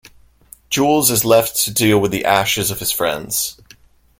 Jules is left to deal with the ashes of his friends.